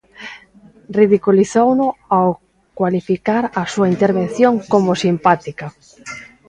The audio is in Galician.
Ridiculizouno ao cualificar a súa intervención como simpática.